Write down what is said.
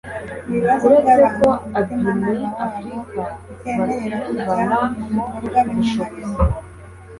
ibibazo by'abantu umutimanama wabo utemerera kujya mu bikorwa bimwe na bimwe